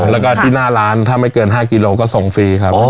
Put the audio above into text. แล้วก็ที่หน้าร้านถ้าไม่เกิน๕กิโลก็ส่งฟรีครับ